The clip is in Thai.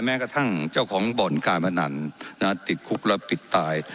แม้กระทั่งเจ้าของบ่อนการพนันติดคุกแล้วปิดตาย